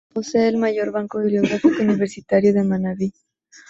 Posee el mayor banco bibliográfico universitario de Manabí.